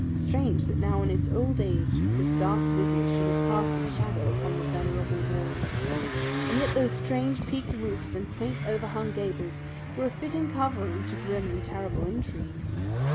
Strange that now in its old age this dark business should have cast its shadow upon the venerable walls! And yet those strange, peaked roofs and quaint, overhung gables were a fitting covering to grim and terrible intrigue.